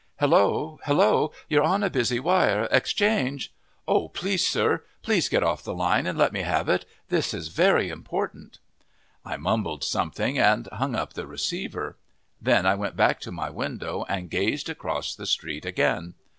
"Hello! Hello! You're on a busy wire! Exchange " "Oh, please, sir, please get off the line and let me have it! This is very important!" I mumbled something and hung up the receiver. Then I went back to my window and gazed across the street again.